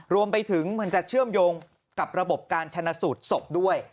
มันจะเชื่อมโยงกับระบบการชนะสูตรศพด้วย